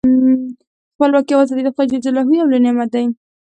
خپلواکي او ازادي د خدای ج یو لوی نعمت دی.